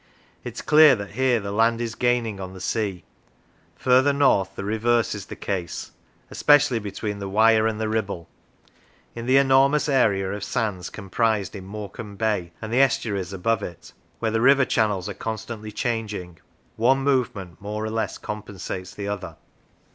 It is clear that here the land is gaining on the sea; further north, the reverse is the case, especially between the Wyre and the Ribble; in the enormous area of sands comprised in Morecambe Bay and the estuaries above it, where the river channels are constantly changing, one movement more or less compensates the other.